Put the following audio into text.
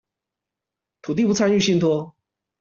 土地不參與信託